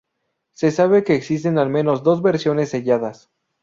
Se sabe que existen al menos dos versiones selladas.